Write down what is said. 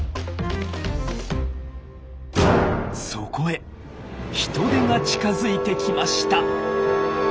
そこへヒトデが近づいてきました。